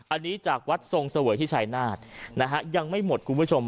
อันนี้จากวัดทรงเสวยที่ชายนาฏนะฮะยังไม่หมดคุณผู้ชม